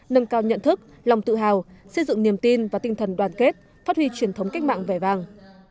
nâng cao nhận thức lòng tự hào xây dựng niềm tin và tinh thần đoàn kết phát huy truyền thống cách mạng vẻ vàng